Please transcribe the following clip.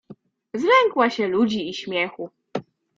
Zlękła się ludzi i śmiechu.